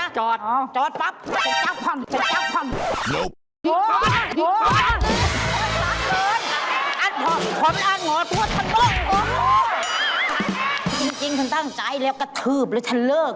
จริงฉันตั้งใจแล้วกระทืบแล้วฉันเลิก